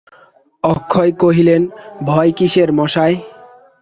অক্ষয় কহিলেন, ভয় কিসের মশায়?